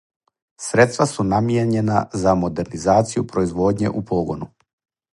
Средства су намијењена за модернизацију производње у погону.